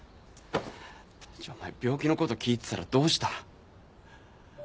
じゃお前病気のこと聞いてたらどうした？